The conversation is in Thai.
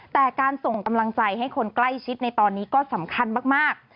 แต่การส่งกำลังใจให้คนใกล้ชิดในตอนนี้ก็สำคัญมาก